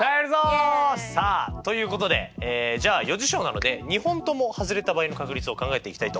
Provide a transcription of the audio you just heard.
イエイ！さあということでえじゃあ余事象なので２本ともはずれた場合の確率を考えていきたいと思います。